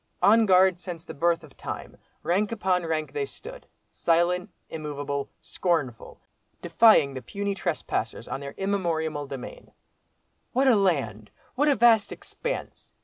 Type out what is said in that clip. On guard since the birth of time, rank upon rank they stood—silent, immovable, scornful—defying the puny trespassers on their immemorial demesne. "What a land! what a vast expanse!"